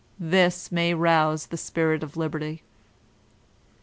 This may rouse the spirit of liberty.